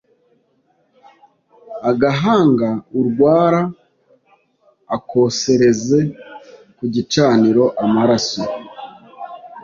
agahanga urwara akosereze ku gicaniro amaraso